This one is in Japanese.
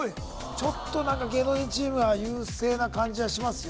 ちょっと芸能人チームが優勢な感じはしますよ